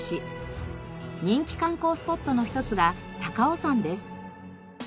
人気観光スポットの一つが高尾山です。